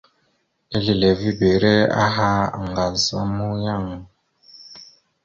Ezlilivibire aha ŋgaz a muyaŋ a.